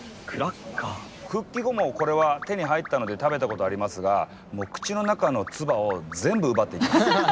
復帰後もこれは手に入ったので食べたことありますがもう口の中の唾を全部奪っていきます。